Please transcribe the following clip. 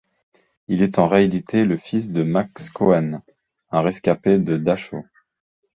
Il est en réalité le fils de Max Cohen, un rescapé de Dachau.